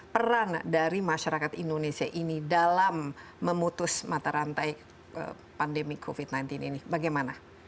peran dari masyarakat indonesia ini dalam memutus mata rantai pandemi covid sembilan belas ini bagaimana